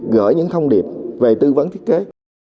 gửi những thông điệp về tư vấn thiết kế